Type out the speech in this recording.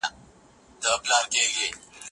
هغه په پوهنتون کي د څيړني د ارزښت په اړه وینا وکړه.